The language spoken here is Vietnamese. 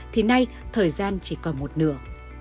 thì nay thời gian chỉ còn một nửa